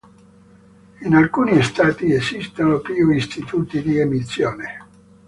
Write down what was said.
In alcuni stati esistono più istituti di emissione.